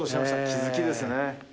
気付きですね。